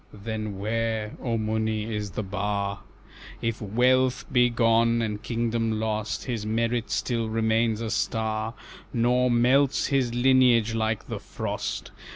"Then where, O Muni, is the bar? If wealth be gone, and kingdom lost, His merit still remains a star, Nor melts his lineage like the frost.